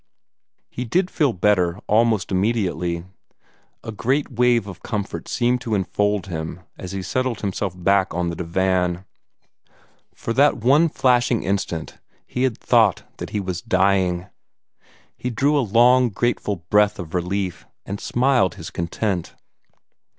He did feel better almost immediately. A great wave of comfort seemed to enfold him as he settled himself back on the divan. For that one flashing instant he had thought that he was dying. He drew a long grateful breath of relief, and smiled his content.